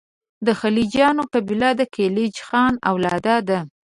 د خلجیانو قبیله د کلیج خان اولاد ده.